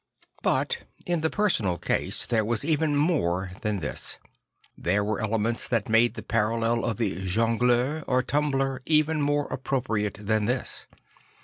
But in the personal case there was even more than this; there were elements that make the parallel of the Jongleur or Tumbler even more appropriate than this.